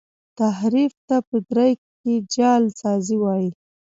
تحریف ته په دري کي جعل سازی وايي.